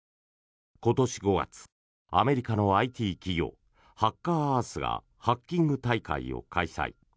今年５月、アメリカのＩＴ企業ハッカーアースがハッキング大会を開催。